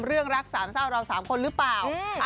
เรื่องรักสาวเรา๓คนหรือเปล่า